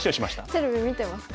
テレビ見てますか？